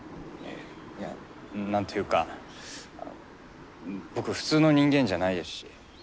いや何というか僕普通の人間じゃないですし。